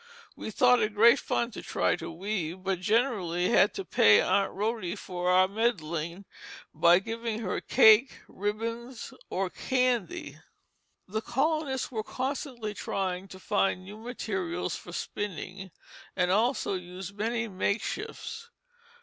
We thought it great fun to try to weave, but generally had to pay Aunt Rhody for our meddling by giving her cake, ribbons, or candy." The colonists were constantly trying to find new materials for spinning, and also used many makeshifts.